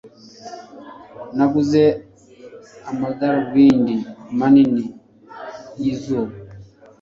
Naguze amadarubindi manini yizuba.